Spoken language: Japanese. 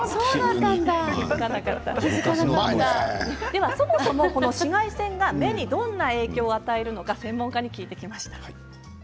ではそもそもこの紫外線が目にどんな影響を与えるのか専門家に聞いてきました。